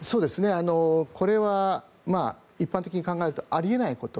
これは一般的に考えるとあり得ないこと